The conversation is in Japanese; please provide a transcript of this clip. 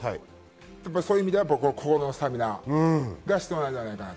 そういう意味では心のスタミナが必要なんじゃないかなと。